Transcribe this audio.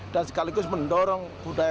dan sekaligus mendorong budaya